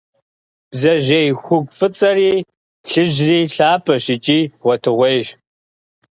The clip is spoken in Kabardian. Бдзэжьей хугу фӏыцӏэри плъыжьри лъапӏэщ икӏи гъуэтыгъуейщ.